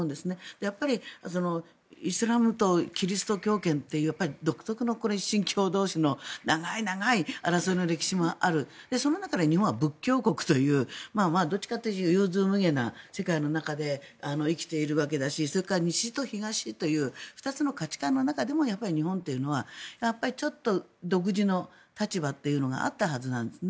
やっぱりイスラムとキリスト教圏という独特の信教同士の長い争いの歴史もあるその中で日本は仏教国というどっちかというと融通無碍な世界の中で生きているわけだしそれから西と東という２つの価値観の中でも日本というのはちょっと独自の立場というのがあったはずなんですね。